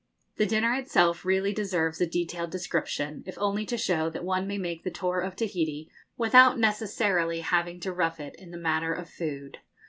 The dinner itself really deserves a detailed description, if only to show that one may make the tour of Tahiti without necessarily having to rough it in the matter of food.